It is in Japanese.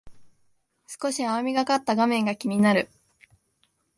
少し青みがかった画面が気になる